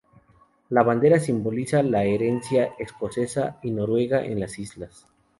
La bandera simboliza la herencia escocesa y noruega en las islas.